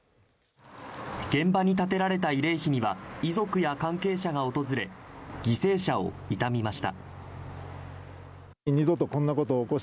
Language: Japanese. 現場に建てられた慰霊碑には遺族や関係者が訪れ犠牲者を悼みました。